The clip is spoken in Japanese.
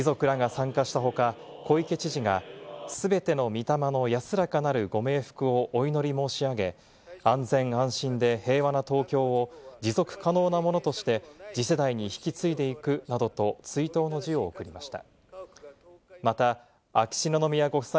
遺族らが参加した他、小池知事が全ての御霊の安らかなるご冥福をお祈り申し上げ、安全・安心で平和な東京を持続可能なものとして次世代に引き継いでいくなどと、追悼の辞を送りました。